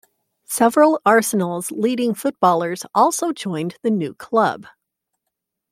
Several Arsenal's leading footballers also joined the new club.